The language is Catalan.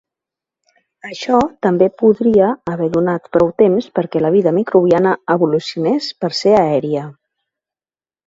Això també podria haver donat prou temps perquè la vida microbiana evolucionés per ser aèria.